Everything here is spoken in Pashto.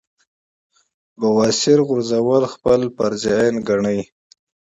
بواسير غورزول خپل فرض عېن ګڼي -